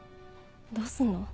どうすんの？